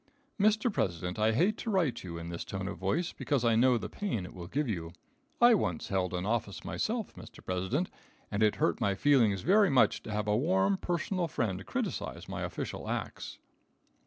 Mr. President, I hate to write to you in this tone of voice, because I know the pain it will give you. I once held an office myself, Mr. President, and it hurt my feelings very much to have a warm personal friend criticise my official acts.